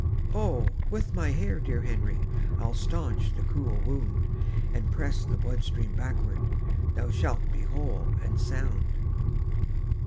"Oh, with my hair, dear Henry, I'll staunch the cruel wound, And press the blood stream backward; Thou shalt be whole and sound."